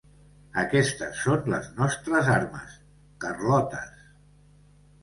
Aquestes són les nostres armes: carlotes!